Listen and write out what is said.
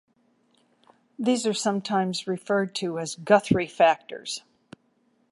These are sometimes referred to as "Guthrie factors".